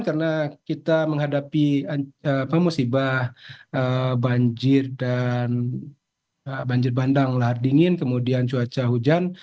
karena kita menghadapi musibah banjir dan banjir bandang lahar dingin kemudian cuaca hujan